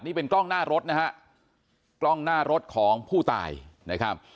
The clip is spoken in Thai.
นี่เป็นกล้องหน้ารถนะฮะกล้องหน้ารถของผู้ตายนะครับ